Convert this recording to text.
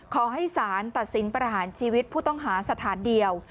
ขอให้สารตัดสินประหารชีวิตผู้ต้องหาสถานเดียว